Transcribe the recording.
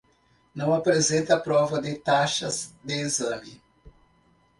Não apresenta prova de taxas de exame.